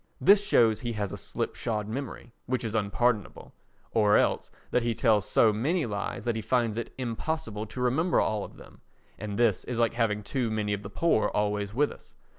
This shows he has a slipshod memory, which is unpardonable, or else that he tells so many lies that he finds it impossible to remember all of them, and this is like having too many of the poor always with us.